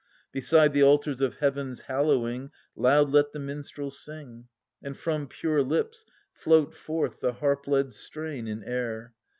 Beside the altars of Heaven's hallowing Loud let the minstrels sing, And from pure lips float forth the harp led strain in air.